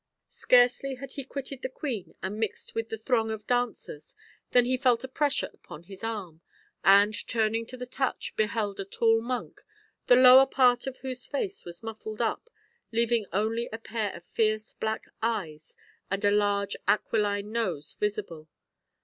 Scarcely had he quitted the queen, and mixed with the throng of dancers, than he felt a pressure upon his arm, and turning at the touch, beheld a tall monk, the lower part of whose face was muffled up, leaving only a pair of fierce black eyes and a large aquiline nose visible.